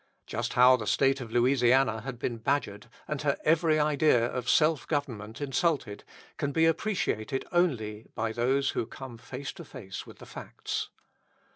Just how the State of Louisiana had been badgered, and her every idea of self government insulted, can be appreciated only by those who come face to face with the facts.